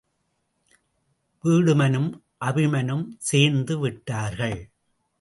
வீடுமனும் அபிமனும் சேர்ந்து விட்டார்கள்.